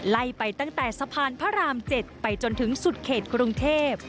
ไล่ไปตั้งแต่สะพานพระราม๗ไปจนถึงสุดเขตกรุงเทพ